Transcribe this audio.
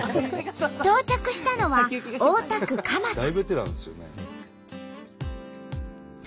到着したのは大田区蒲田。